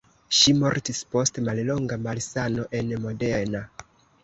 Ŝi mortis post mallonga malsano en Modena.